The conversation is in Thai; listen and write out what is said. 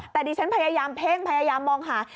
แต่ดิฉันพยายามเพ่งพยายามมองหา